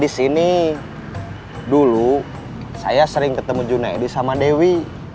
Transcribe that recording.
disini dulu saya sering ketemu junedi sama dewi